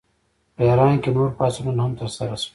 په ایران کې نور پاڅونونه هم ترسره شول.